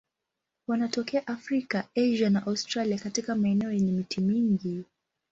Wanatokea Afrika, Asia na Australia katika maeneo yenye miti mingi.